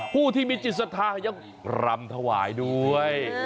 ผู้ที่มีจิตศรัทธายังรำถวายด้วย